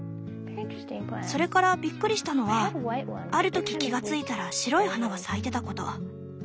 それからびっくりしたのはある時気が付いたら白い花が咲いてたこと。